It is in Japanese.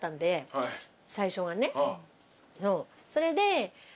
最初はね。それで。